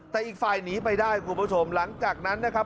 แต่อีกฝ่ายหนีไปได้คุณผู้ชมหลังจากนั้นนะครับ